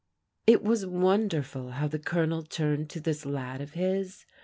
It was wonderful how the Colonel turned to this lad of his.